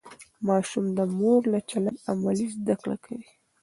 ماشوم د مور له چلند عملي زده کړه کوي.